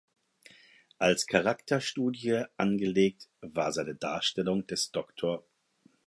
Als Charakterstudie angelegt war seine Darstellung des Dr.